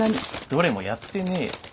どれもやってねえよ。